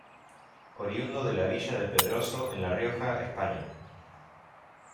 Oriundo de la villa de Pedroso en La Rioja, España.